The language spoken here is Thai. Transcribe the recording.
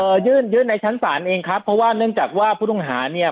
ยื่นยื่นในชั้นศาลเองครับเพราะว่าเนื่องจากว่าผู้ต้องหาเนี่ย